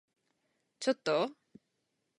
ちょっと？